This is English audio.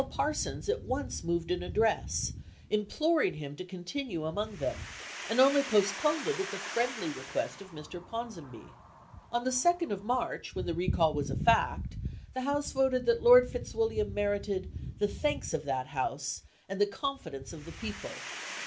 Parsons at once moved an address, imploring him to continue among them, and only postponed it at the friendly request of Mr. Ponsonby. On the 2nd of March, when the recall was a fact, the House voted that Lord Fitzwilliam merited "the thanks of that House, and the confidence of the people."